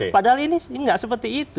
padahal ini nggak seperti itu